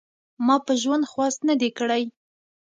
ما په ژوند خواست نه دی کړی .